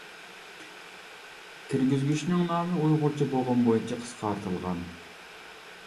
كىرگۈزگۈچنىڭ نامى ئۇيغۇرچە بوغۇم بويىچە قىسقارتىلغان.